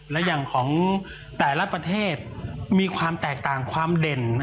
และอย่างของแต่ละประเทศมีความแตกต่างความเด่น